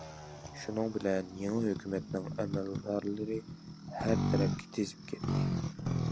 شۇنىڭ بىلەن يېڭى ھۆكۈمەتنىڭ ئەمەلدارلىرى ھەر تەرەپكە تېزىپ كەتتى.